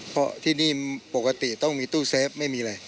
เพราะที่นี่ปกติต้องมีตู้เซฟไม่มีอะไร